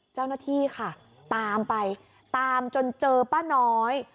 เจ้าหน้าที่ค่ะตามไปตามจนเจอป้าน้อย